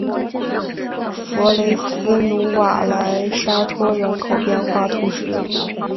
弗雷斯努瓦莱沙托人口变化图示